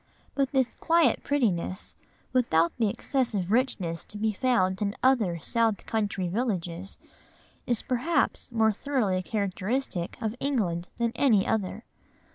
But this quiet prettiness, without the excessive richness to be found in other south country villages, is perhaps more thoroughly characteristic of England than any other.